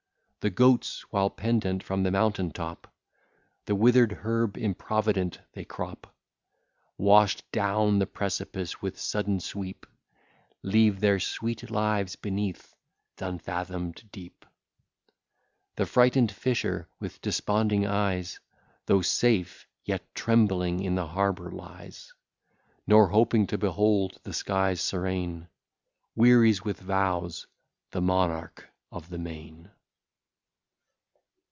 The goats, while, pendent from the mountain top, The wither'd herb improvident they crop, Wash'd down the precipice with sudden sweep, Leave their sweet lives beneath th'unfathom'd deep. The frighted fisher, with desponding eyes, Though safe, yet trembling in the harbour lies, Nor hoping to behold the skies serene, Wearies with vows the monarch of the main.